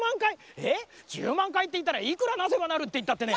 えっ１０まんかいっていったらいくらなせばなるっていったってね。